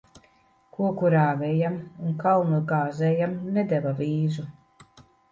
Koku rāvējam un kalnu gāzējam nedeva vīzu.